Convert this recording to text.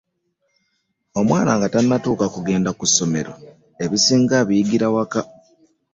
Omwana nga tanafuuka kugenda mu somero ebisinga abiyigira wakka.